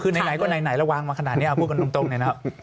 คือในไหนก็ในไหนระวังมาขนาดนี้พูดกันตรงนะครับ